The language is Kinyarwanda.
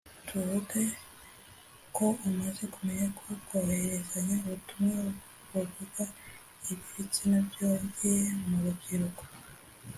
tuvuge ko umaze kumenya ko kohererezanya ubutumwa buvuga iby ibitsina byogeye mu rubyiruko